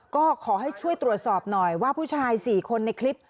ก็ขอให้ช่วยตรวจสอบหน่อยว่าผู้ชาย๔คนในคลิป